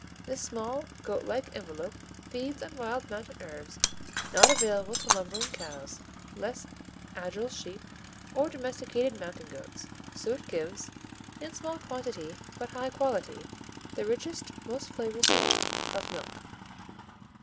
This small goatlike antelope feeds on wild mountain herbs not available to lumbering cows, less agile sheep or domesticated mountain goats, so it gives, in small quantity but high quality, the richest, most flavorsome of milk.